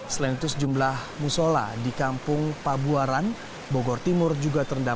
selain itu sejumlah musola di kampung pabuaran bogor timur juga terendam